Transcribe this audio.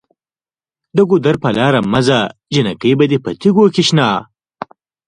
د ګودر په لاره مه ځه جینکۍ به دې په تیږو کې شنه